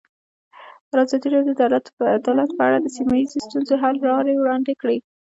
ازادي راډیو د عدالت په اړه د سیمه ییزو ستونزو حل لارې راوړاندې کړې.